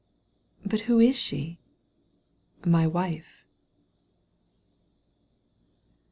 "— "But who is she ?"— "My wife."